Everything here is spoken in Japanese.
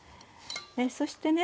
そしてね